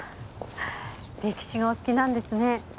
歴史がお好きなんですね。